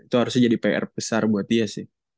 itu harusnya jadi pr besar buat dia sih